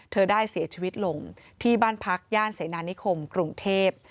เธอได้เสียชีวิตลงที่บ้านพักย่านเสนานิคมกรุงเทพ